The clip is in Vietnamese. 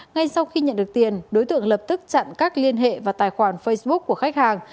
ngay sau khi nhận được tiền đối tượng lập tức chặn các liên hệ và tài khoản facebook của khách hàng